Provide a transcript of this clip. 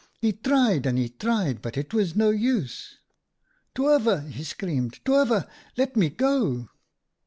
He tried, and he tried, but it was no use. M ' Toever !' he screamed, ' toever ! Let me go